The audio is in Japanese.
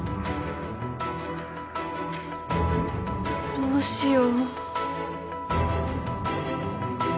どうしよう。